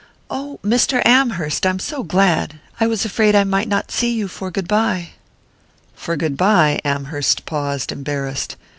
"Oh, Mr. Amherst, I'm so glad! I was afraid I might not see you for goodbye." "For goodbye?" Amherst paused, embarrassed.